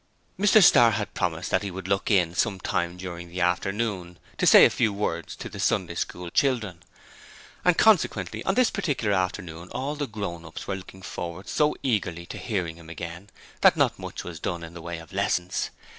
Mr Starr had promised that he would look in some time during the afternoon to say a few words to the Sunday School children, and consequently on this particular afternoon all the grown ups were looking forward so eagerly to hearing him again that not much was done in the way of lessons.